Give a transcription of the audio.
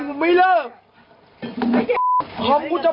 แสดงที่มันอยู่ไหนอ่ะ